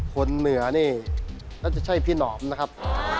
คนเหนือนี่น่าจะใช่พี่หนอมนะครับ